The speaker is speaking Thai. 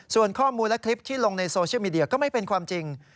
ส่วนข้อมูลและคลิปที่ลงในโซเชียลมีเดียก็ไม่เป็นความจริง